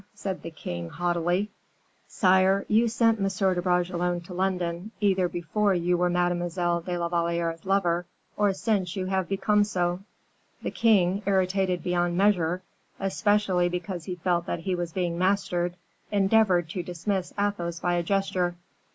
said the king, haughtily. "Sire, you sent M. de Bragelonne to London either before you were Mademoiselle de la Valliere's lover, or since you have become so." The king, irritated beyond measure, especially because he felt that he was being mastered, endeavored to dismiss Athos by a gesture.